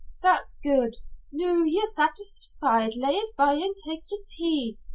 "That's good. Noo ye're satisfied, lay it by and tak' yer tea."